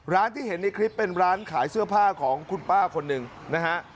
ร้านที่เห็นในคลิปเป็นร้านขายเสื้อผ้าของคุณป้าคนหนึ่งนะฮะ